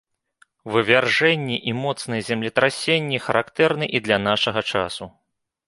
Вывяржэнні і моцныя землетрасенні характэрны і для нашага часу.